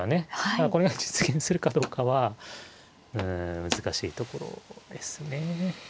ただこれが実現するかどうかはうん難しいところですね。